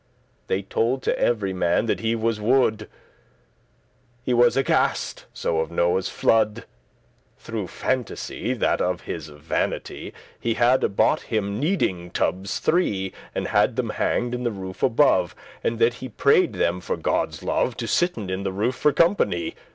They told to every man that he was wood*; *mad He was aghaste* so of Noe's flood, *afraid Through phantasy, that of his vanity He had y bought him kneading tubbes three, And had them hanged in the roof above; And that he prayed them for Godde's love To sitten in the roof for company.